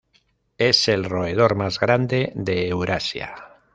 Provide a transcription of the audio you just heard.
Es el roedor más grande de Eurasia.